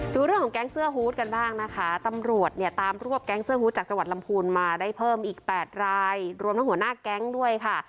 ดูเรื่องของแก๊งเสื้อฮูตกันบ้างนะคะตำรวจเนี่ยตามรวบแก๊งเสื้อฮูตจากจังหวัดลำพูนมาได้เพิ่มอีก๘รายรวมทั้งหัวหน้าแก๊งด้วยค่ะ